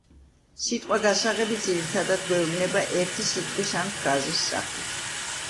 სიტყვა-გასაღები ძირითადად გვევლინება ერთი სიტყვის ან ფრაზის სახით.